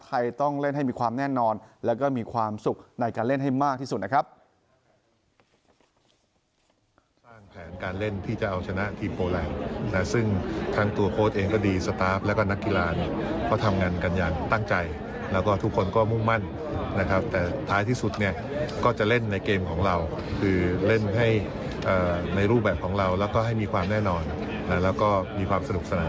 ใครต้องเล่นให้มีความแน่นอนแล้วก็มีความสุขในการเล่นให้มากที่สุดนะครับ